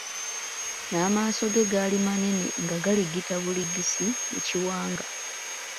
N’amaaso ge gaali manene nga galigita buligisi mu kiwanga.